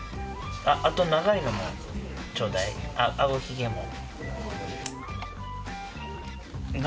あと長いのもちょうだい顎ヒゲも。